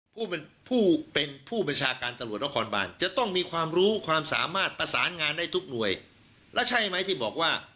พูดเป็นผู้บริชาการตลวดและคอนบาลจะต้องมีความรู้ความสามารถประสานงานได้ทุกหน่วยและใช่ไหมที่บอกว่า